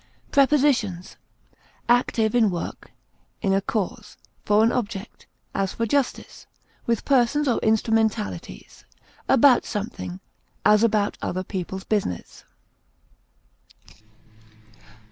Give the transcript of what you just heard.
Prepositions: Active in work, in a cause; for an object, as for justice; with persons or instrumentalities; about something, as about other people's business.